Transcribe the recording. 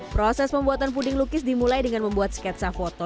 proses pembuatan puding lukis dimulai dengan membuat sketsa foto